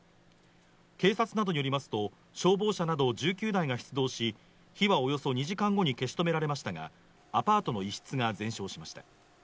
警察などによりますと、消防車など１９台が出動し、火はおよそ２時間後に消し止められましたがアパートの一室が全焼しました。